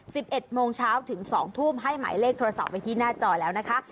สิบเอ็ดโมงเช้าถึงสองทุ่มให้หมายเลขโทรศัพท์ไว้ที่หน้าจอแล้วนะคะ